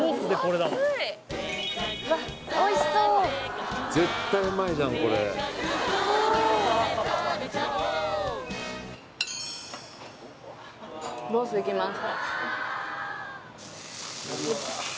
うわっおいしそう絶対うまいじゃんこれロースいきます